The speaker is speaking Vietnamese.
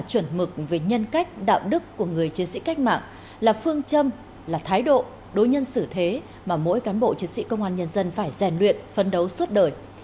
chuẩn mực về nhân cách đạo đức của người chiến sĩ cách mạng là phương châm là thái độ đối nhân xử thế mà mỗi cán bộ chiến sĩ công an nhân dân phải rèn luyện phấn đấu suốt đời